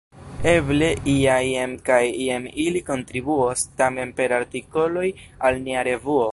Eble ja jen kaj jen ili kontribuos tamen per artikoloj al nia revuo.